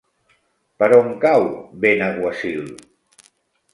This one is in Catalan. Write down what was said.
Per on cau Benaguasil?